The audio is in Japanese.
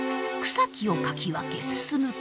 草木をかき分け進むこの人。